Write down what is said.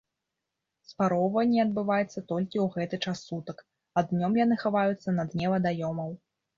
Спароўванне адбываецца толькі ў гэты час сутак, а днём яны хаваюцца на дне вадаёмаў.